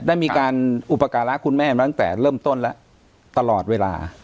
ได้มีการอุปการะคุณแม่มาตั้งแต่เริ่มต้นแล้วตลอดเวลา